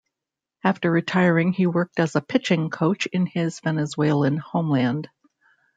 After retiring he worked as a pitching coach in his Venezuelan homeland.